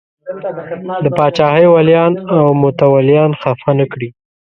د پاچاهۍ ولیان او متولیان خفه نه کړي.